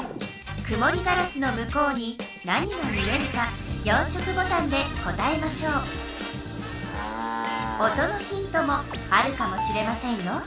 くもりガラスの向こうに何が見えるか４色ボタンで答えましょう音のヒントもあるかもしれませんよ。